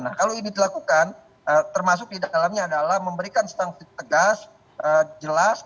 nah kalau ini dilakukan termasuk di dalamnya adalah memberikan sanksi tegas jelas